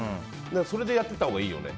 それでやったほうがいいよね。